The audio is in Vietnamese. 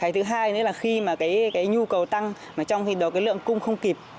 thứ hai nữa là khi mà cái nhu cầu tăng mà trong khi đó cái lượng cung không kịp